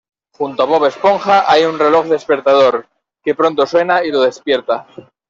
Junto a Bob Esponja hay un reloj despertador, que pronto suena y lo despierta.